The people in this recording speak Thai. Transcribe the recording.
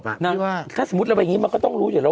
นะว่าถ้าสมมุติเราไปอย่างนี้มันก็ต้องรู้อยู่แล้ว